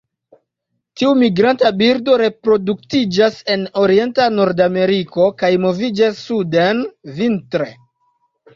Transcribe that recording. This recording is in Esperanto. Tiu migranta birdo reproduktiĝas en orienta Nordameriko kaj moviĝas suden vintre.